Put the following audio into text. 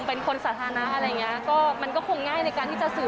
เป็นคนสาธารณะอะไรอย่างนี้